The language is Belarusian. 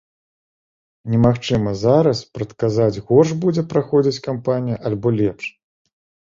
Немагчыма зараз прадказаць, горш будзе праходзіць кампанія альбо лепш.